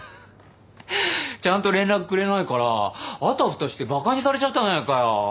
ちゃんと連絡くれないからあたふたしてバカにされちゃったじゃないかよ。